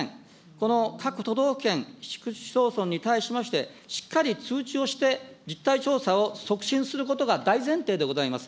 この各都道府県、市区町村に対しまして、しっかり通知をして、実態調査を促進することが大前提でございます。